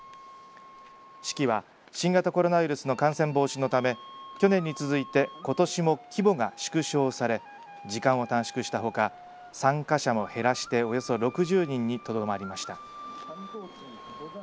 式は新型コロナウイルスの感染防止のため去年に続いてことしも規模が縮小され時間を短縮したほか参加者も減らしておよそ６０人にとどまりました。